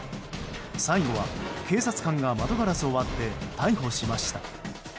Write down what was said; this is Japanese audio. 最後は警察官が窓ガラスを割って逮捕しました。